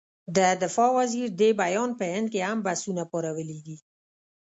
د دفاع وزیر دې بیان په هند کې هم بحثونه پارولي دي.